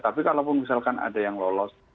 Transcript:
tapi kalaupun misalkan ada yang lolos